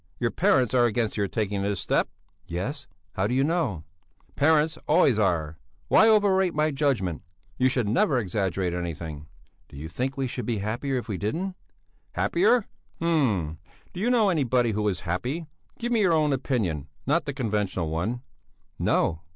Your parents are against your taking this step?" "Yes! How do you know?" "Parents always are. Why overrate my judgment? You should never exaggerate anything." "Do you think we should be happier if we didn't?" "Happier? Hm! Do you know anybody who is happy? Give me your own opinion, not the conventional one." "No!"